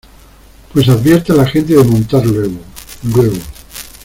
pues advierte a la gente de montar luego, luego.